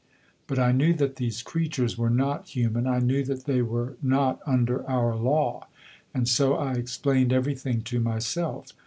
But I knew that these creatures were not human; I knew that they were not under our law; and so I explained everything to myself.